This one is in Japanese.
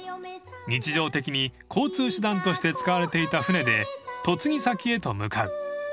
［日常的に交通手段として使われていた舟で嫁ぎ先へと向かう］